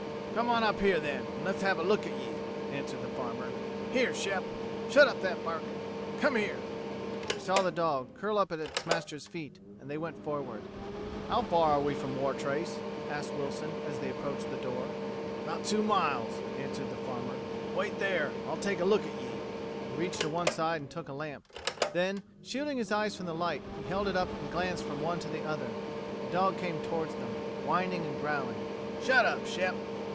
"Come on up here then, and let's look at ye," answered the farmer. "Here, Shep, shut up that barking! Come here!" They saw the dog curl up at its master's feet, and they went forward. "How far are we from Wartrace?" asked Wilson, as they approached the door. "'Bout two miles," answered the farmer. "Wait there, and I'll take a look at ye." He reached to one side and took a lamp. Then, shielding his eyes from the light, he held it up and glanced from one to the other. The dog came toward them, whining and growling. "Shut up, Shep.